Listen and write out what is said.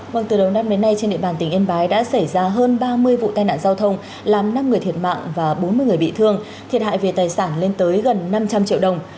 vâng từ đầu năm đến nay trên địa bàn tỉnh yên bái đã xảy ra hơn ba mươi vụ tai nạn giao thông làm năm người thiệt mạng và bốn mươi người bị thương thiệt hại về tài sản lên tới gần năm trăm linh triệu đồng